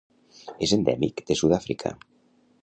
És endèmic de Sud-àfrica.